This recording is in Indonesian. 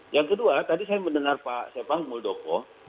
yang kedua tadi saya mendengar pak muldoko